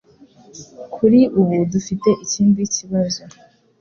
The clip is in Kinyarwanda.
Kuri ubu dufite ikindi kibazo